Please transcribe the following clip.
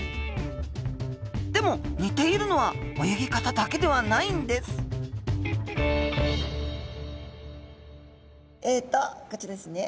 でも似ているのは泳ぎ方だけではないんですえとこちらですね。